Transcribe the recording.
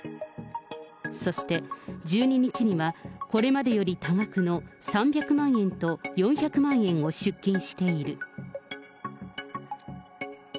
そして１２日には、これまでより多額の３００万円と４００万円を出金している。